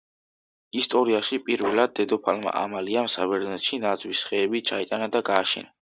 ისტორიაში პირველად, დედოფალმა ამალიამ საბერძნეთში ნაძვის ხეები ჩაიტანა და გააშენა.